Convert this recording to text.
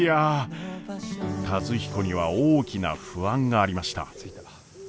和彦には大きな不安がありました。